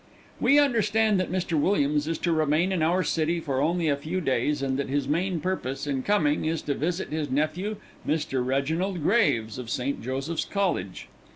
"We understand that Mr. Williams is to remain in our city for only a few days, and that his main purpose in coming is to visit his nephew Mr. Reginald Graves, of St. Joseph's College.